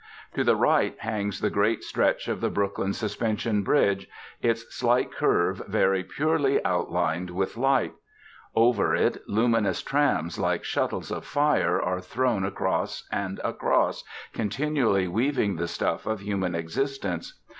To the right hangs the great stretch of the Brooklyn Suspension Bridge, its slight curve very purely outlined with light; over it luminous trams, like shuttles of fire, are thrown across and across, continually weaving the stuff of human existence.